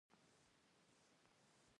بزګان د افغان کلتور سره تړاو لري.